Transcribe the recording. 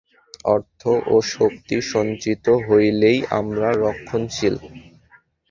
অর্থ ও শক্তি সঞ্চিত হইলেই আমরা রক্ষণশীল।